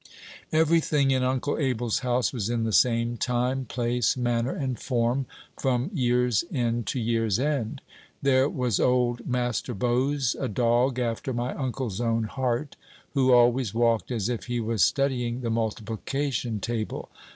Every thing in Uncle Abel's house was in the same time, place, manner, and form, from year's end to year's end. There was old Master Bose, a dog after my uncle's own heart, who always walked as if he was studying the multiplication table.